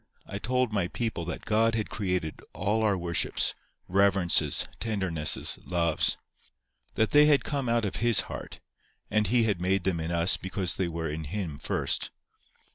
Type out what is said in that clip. I told my people that God had created all our worships, reverences, tendernesses, loves. That they had come out of His heart, and He had made them in us because they were in Him first.